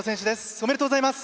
おめでとうございます。